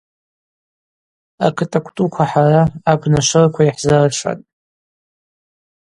Акыт аквтӏуква хӏара, абна швырква, йхӏзыршатӏ.